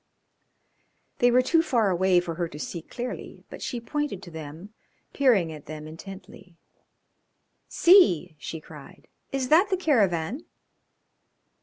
They were too far away for her to see clearly, but she pointed to them, peering at them intently. "See!" she cried. "Is that the caravan?"